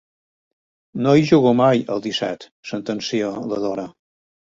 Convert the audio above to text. No hi jugo mai, al disset —sentencia la Dora.